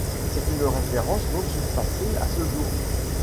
C'est une référence non surpassée à ce jour.